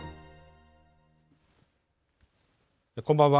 こんばんは。